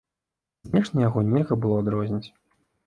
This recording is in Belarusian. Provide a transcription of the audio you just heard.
Знешне яго нельга было адрозніць.